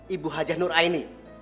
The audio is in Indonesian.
ibu hajah nur aini